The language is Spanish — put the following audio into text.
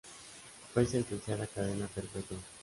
Fue sentenciada a cadena perpetua.